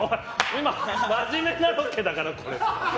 今真面目なロケだからって。